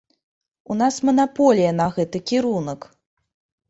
У нас манаполія на гэты кірунак!